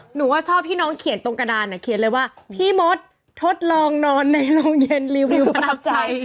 หนูว่าชอบที่น้องเขียนตรงกระดานเขียนเลยว่าพี่มดทดลองนอนในโรงเย็นรีวิวประทับใจ